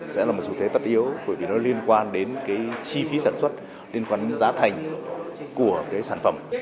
sẽ là một sự thế tất yếu bởi vì nó liên quan đến chi phí sản xuất liên quan đến giá thành của sản phẩm